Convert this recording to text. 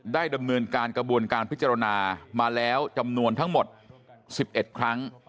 ดำเนินการกระบวนการพิจารณามาแล้วจำนวนทั้งหมด๑๑ครั้ง